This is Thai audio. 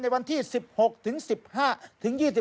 ในวันที่๑๖ถึง๒๕